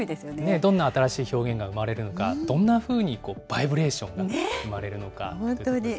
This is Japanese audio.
どんな新しい表現が生まれるのか、どんなふうにバイブレーションが生まれるのか。